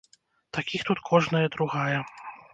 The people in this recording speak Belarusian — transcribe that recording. Такіх тут кожная другая.